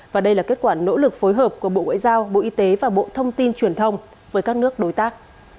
và đây là kết quả nỗ lực phối hợp của bộ ngoại giao bộ y tế và bộ thông tin truyền thông với các nước đối tác